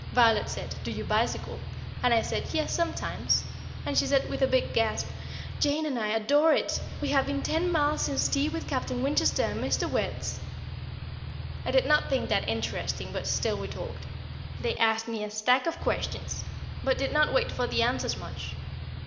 Violet said, "Do you bicycle?" and I said, "Yes, sometimes;" and she said, with a big gasp: "Jane and I adore it. We have been ten miles since tea with Captain Winchester and Mr. Wertz." [Sidenote: An African Millionaire] I did not think that interesting, but still we talked. They asked me stacks of questions, but did not wait for the answers much.